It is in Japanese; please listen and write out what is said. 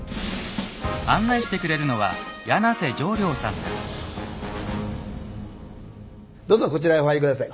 案内してくれるのはどうぞこちらへお入り下さい。